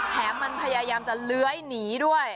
แถมมันพยายามจะเลื้อยหนีด้วย